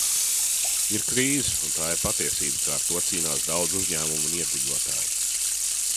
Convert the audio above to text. Ir krīze, un tā ir patiesība, ka ar to cīnās daudz uzņēmumu un iedzīvotāju.